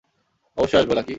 অবশ্যই আসবো, লাকি।